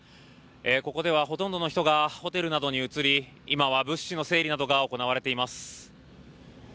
ここでは、ほとんどの人がホテルなどに移り今は物資の整理などが行われています。